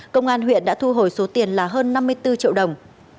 công an huyện đã thu hồi số tiền là hơn năm mươi bốn triệu đồng